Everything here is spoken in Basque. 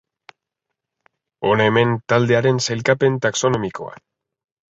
Hona hemen taldearen sailkapen taxonomikoa.